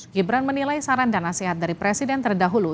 gibran menilai saran dan nasihat dari presiden terdahulu